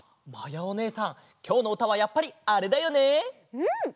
うん！